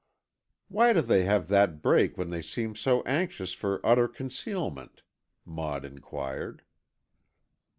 "Why do they have that break when they seem so anxious for utter concealment?" Maud inquired.